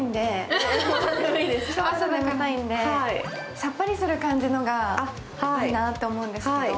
さっぱりする感じのがいいなと思うんですけど。